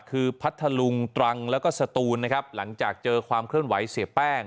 คือพัทธลุงตรังแล้วก็สตูนนะครับหลังจากเจอความเคลื่อนไหวเสียแป้ง